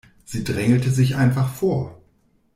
Sie drängelte sich einfach vor.